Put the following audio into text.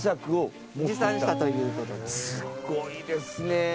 すごいですね。